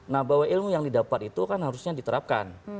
nah bahwa ilmu yang didapat itu kan harusnya diterapkan